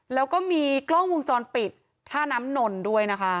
แล้วก็มีกล้องวงจรปิดท่าน้ำนนด้วยนะคะ